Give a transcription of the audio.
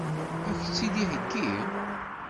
Ad k-tt-id-iheggi?